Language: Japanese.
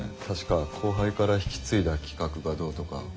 確か後輩から引き継いだ企画がどうとか。